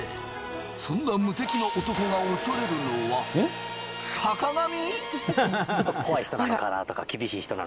そんな無敵の男が恐れるのは、えっ、坂上？